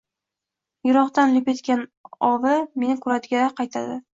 Yirokdan lip etgan «ovi» — meni koʼradi-da, qaytadi.